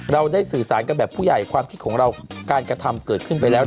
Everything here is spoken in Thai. เราได้สื่อสารกันแบบผู้ใหญ่ความคิดของเราการกระทำเกิดขึ้นไปแล้ว